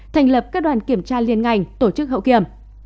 thành lập các đoàn kiểm tra liên ngành tổ chức hậu kiểm